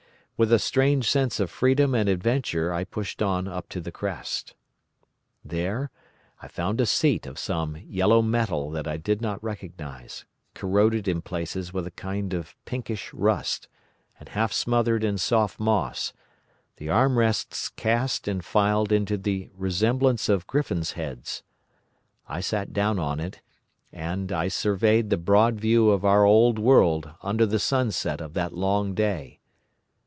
With a strange sense of freedom and adventure I pushed on up to the crest. "There I found a seat of some yellow metal that I did not recognise, corroded in places with a kind of pinkish rust and half smothered in soft moss, the arm rests cast and filed into the resemblance of griffins' heads. I sat down on it, and I surveyed the broad view of our old world under the sunset of that long day.